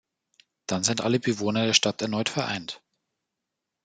Dann sind alle Bewohner der Stadt erneut vereint.